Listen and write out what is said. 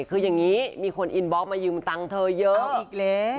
คืออย่างนี้มีคนอินบล็อกมายืมเงินเงินเธอเยอะ